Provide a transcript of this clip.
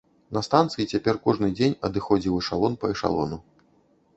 На станцыі цяпер кожны дзень адыходзіў эшалон па эшалону.